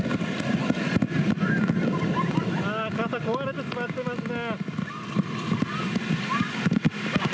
傘、壊れてしまってますね。